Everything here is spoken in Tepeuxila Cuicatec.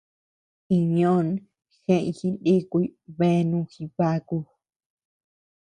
Iñ ñoʼon jeʼëñ jinikuy beanu Jibaku.